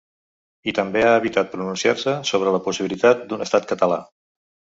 I també ha evitat pronunciar-se sobre la possibilitat d’un estat català.